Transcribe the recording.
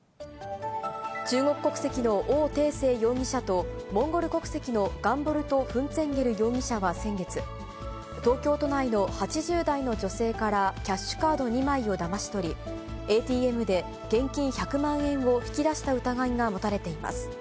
中国国籍の王延成容疑者と、モンゴル国籍のガンボルド・フンツェンゲル容疑者は先月、東京都内の８０代の女性から、キャッシュカード２枚をだまし取り、ＡＴＭで現金１００万円を引き出した疑いが持たれています。